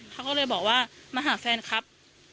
เขาก็เลยบอกว่ามาหาแฟนครับ